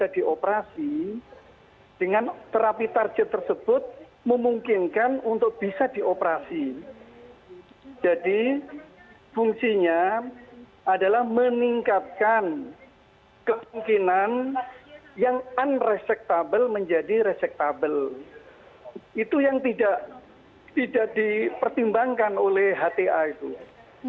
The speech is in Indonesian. pdib menduga kebijakan tersebut diambil terlebih dahulu sebelum mendengar masukan dari dokter ahli yang menangani kasus